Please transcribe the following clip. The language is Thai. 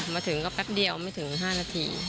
มาถึงก็แป๊บเดียวไม่ถึง๕นาที